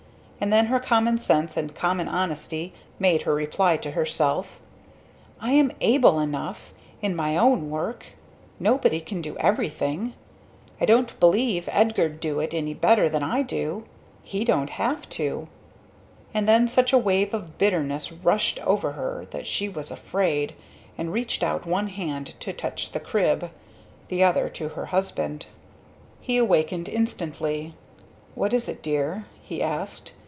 And then her common sense and common honesty made her reply to herself: "I am able enough in my own work! Nobody can do everything. I don't believe Edgar'd do it any better than I do. He don't have to!" and then such a wave of bitterness rushed over her that she was afraid, and reached out one hand to touch the crib the other to her husband. He awakened instantly. "What is it, Dear?" he asked.